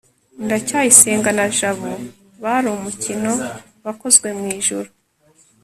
ndacyayisenga na jabo bari umukino wakozwe mwijuru